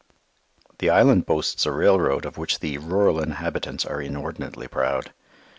The island boasts a railroad of which the rural inhabitants are inordinately proud.